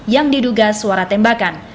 yang diduga suara tembakan